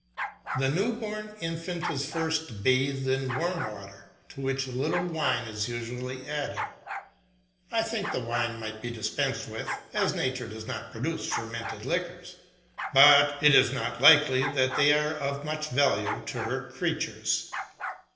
The new born infant is first bathed in warm water to which a little wine is usually added. I think the wine might be dispensed with. As nature does not produce fermented liquors, it is not likely that they are of much value to her creatures.